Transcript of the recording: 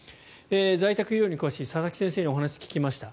在宅医療に詳しい佐々木先生にお話を伺いました。